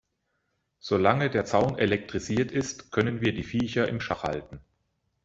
Solange der Zaun elektrisiert ist, können wir die Viecher in Schach halten.